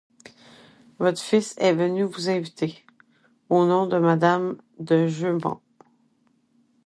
Votre fils est venu vous inviter, au nom de Madame de Jeumont.